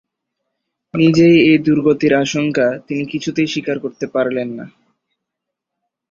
নিজেই এই দুর্গতির আশঙ্কা তিনি কিছুতেই স্বীকার করতে পারলেন না।